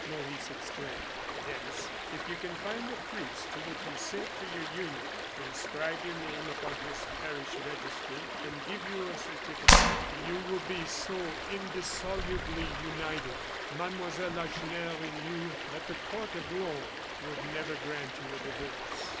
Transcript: Maurice exclaimed. "Yes, if you can find a priest who will consent to your union, inscribe your name upon his parish register and give you a certificate, you will be so indissolubly united, Mademoiselle Lacheneur and you, that the court of Rome would never grant you a divorce."